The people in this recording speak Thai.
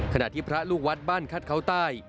ขณะที่พระลูกวัดบ้านคัดเขาใต้